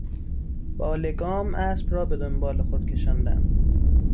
با لگام اسب را بهدنبال خود کشاندن